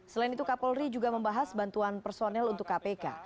selain itu kapolri juga membahas bantuan personel untuk kpk